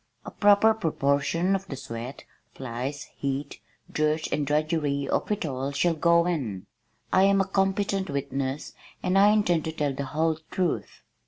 A proper proportion of the sweat, flies, heat, dirt and drudgery of it all shall go in. I am a competent witness and I intend to tell the whole truth."